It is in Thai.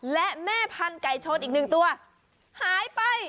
และแม่พันธุไก่ชนอีกหนึ่งตัวหายไป